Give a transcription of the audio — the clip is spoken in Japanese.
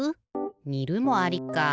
にるもありか。